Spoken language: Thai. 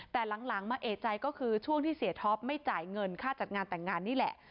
แต่หลังมาเอกใจก็คือช่วงที่เสียท็อปไม่จ่ายเงินค่าจัดงานแต่งงานนี่แหละ